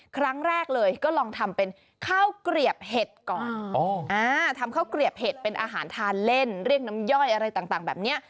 ครั้งแรกเลยก็ลองทำเป็นข้าวเกลียบเห็ดก่อนทำข้าวเกลียบเห็ดเป็นอาหารทานเล่นเรียกน้ำย่อยอะไรต่างแบบนี้